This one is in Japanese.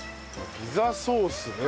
ピザソースね。